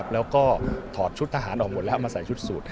แล้วก็ถอดชุดทหารออกหมดแล้วเอามาใส่ชุดสูตร